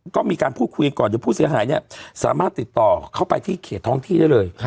ก็มีการพูดคุยก่อนเดี๋ยวผู้เสียหายเนี่ยสามารถติดต่อเข้าไปที่เขตท้องที่ได้เลย